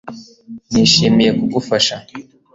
Nishimiye kugufasha